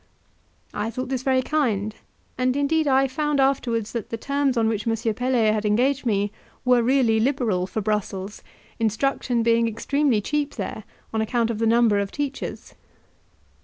I thought this very kind, and indeed I found afterwards that the terms on which M. Pelet had engaged me were really liberal for Brussels; instruction being extremely cheap there on account of the number of teachers.